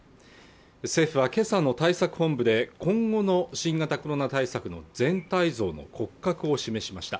政府はけさの対策本部で今後の新型コロナ対策の全体像の骨格を示しました